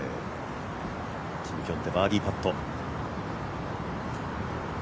キム・キョンテ、バーディーパット。